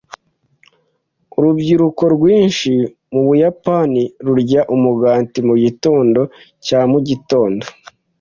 Urubyiruko rwinshi mu Buyapani rurya umugati mugitondo cya mugitondo.